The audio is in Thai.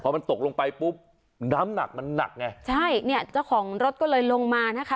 พอมันตกลงไปปุ๊บน้ำหนักมันหนักไงใช่เนี่ยเจ้าของรถก็เลยลงมานะคะ